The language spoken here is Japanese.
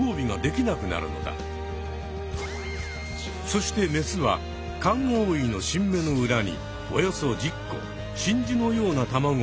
そしてメスはカンアオイの新芽の裏におよそ１０個真珠のような卵を産み付ける。